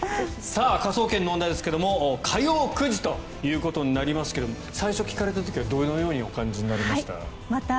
さあ、「科捜研の女」ですが火曜９時ということになりますが最初、聞かれた時はどのようにお感じになりました？